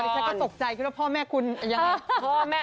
ตอนนี้ฉันก็ตกใจคิดว่าพ่อแม่คุณยังไง